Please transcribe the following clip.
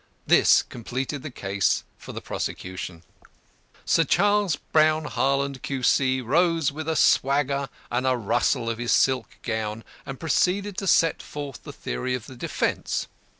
This completed the case for the prosecution. Sir CHARLES BROWN HARLAND, Q.C., rose with a swagger and a rustle of his silk gown, and proceeded to set forth the theory of the defence.